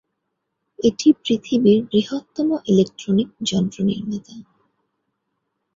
এটি পৃথিবীর বৃহত্তম ইলেকট্রনিক যন্ত্র নির্মাতা।